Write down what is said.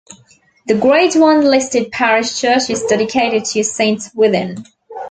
The Grade One listed parish church is dedicated to Saint Swithin.